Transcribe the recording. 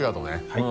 はい。